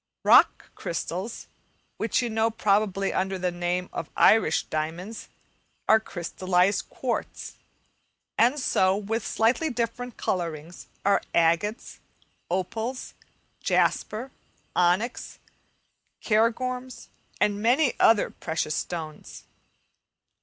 Rock crystals, which you know probably under the name of Irish diamonds, are crystallized quartz; and so, with slightly different colourings, are agates, opals, jasper, onyx, cairngorms, and many other precious stones.